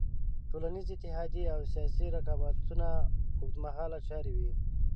ټولنیزې اتحادیې او سیاسي رقابتونه اوږد مهاله چارې وې.